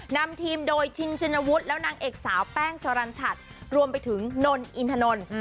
นำทีมโดยชินชินวุฒิและนางเอกสาวแป้งสรรชัดรวมไปถึงนนอินทนนท์